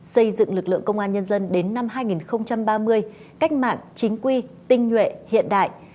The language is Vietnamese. xây dựng lực lượng công an nhân dân đến năm hai nghìn ba mươi cách mạng chính quy tinh nhuệ hiện đại